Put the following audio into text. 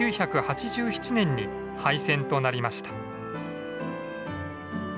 １９８７年に廃線となりました。